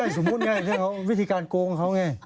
ไม่ได้สมมุติไงวิธีการโกงเขาไง